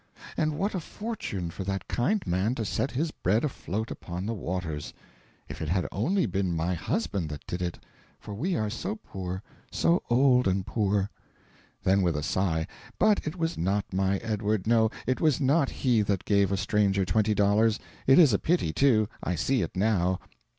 ... And what a fortune for that kind man who set his bread afloat upon the waters!... If it had only been my husband that did it! for we are so poor, so old and poor!..." Then, with a sigh "But it was not my Edward; no, it was not he that gave a stranger twenty dollars. It is a pity too; I see it now...."